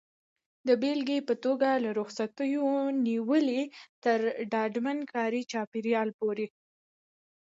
د بېلګې په توګه له رخصتیو نیولې تر ډاډمن کاري چاپېریال پورې.